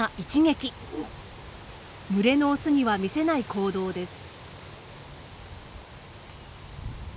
群れのオスには見せない行動です。